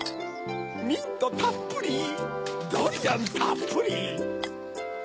ミントたっぷりドリアンたっぷり。